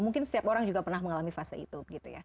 mungkin setiap orang juga pernah mengalami fase itu